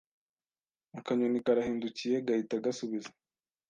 Akanyoni karahindukiye, gahita gasubiza